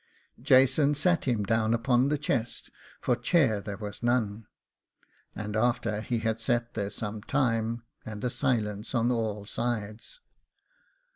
Jason sat him down upon the chest, for chair there was none, and after he had set there some time, and a silence on all sides.